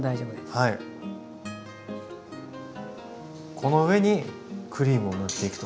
この上にクリームを塗っていくと。